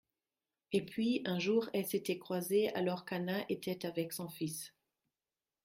Et puis un jour elles s’étaient croisées alors qu’Anna était avec son fils